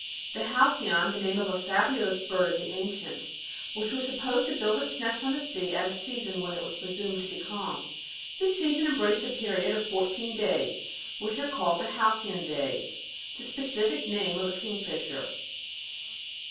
(The Hal cyon, tlie name of a fabulous bird ofthe ancients, which was sup posed to build its nest on the sea, at a season when it was presumed to be calm. This season embraced a period of fourteen days, which were cal!ed the Halcyon days,) The specific name of a kingfisher.